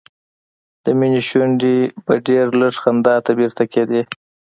د مينې شونډې به ډېر لږ خندا ته بیرته کېدې